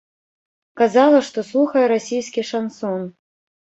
Казала, што слухае расійскі шансон.